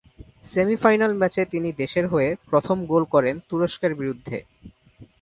Semi-final ম্যাচে তিনি দেশের হয়ে প্রথম গোল করেন তুরস্কের বিরুদ্ধে।